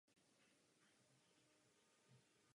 To musíme také vzít v úvahu.